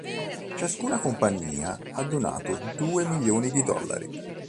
Ciascuna compagnia ha donato due milioni di dollari.